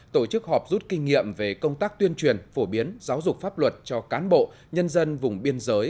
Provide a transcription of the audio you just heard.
tổ chức họp rút kinh nghiệm về công tác tuyên truyền phổ biến giáo dục pháp luật cho cán bộ nhân dân vùng biên giới